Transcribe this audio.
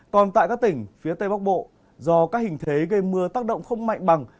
còn tại các tỉnh phía tây bắc bộ do các hình thế gây mưa tác động không mạnh bằng